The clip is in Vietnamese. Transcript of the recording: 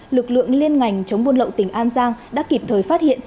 lực lượng liên ngành chống buôn lậu tỉnh an giang đã kịp thời phát hiện